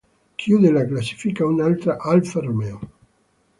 Chiude la classifica un'altra Alfa Romeo.